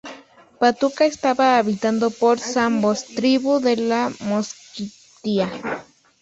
Patuca estaba habitado por zambos, tribu de la Mosquitia.